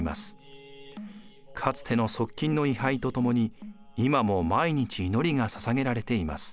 かつての側近の位はいとともに今も毎日祈りがささげられています。